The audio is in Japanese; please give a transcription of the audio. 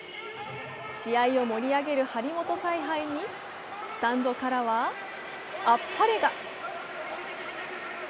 試合を盛り上げる張本采配にスタンドからは、あっぱれが。